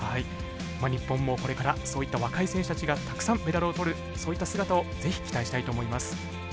日本も、これからそういった若い選手たちがたくさんメダルをとるそういった姿をぜひ期待したいと思います。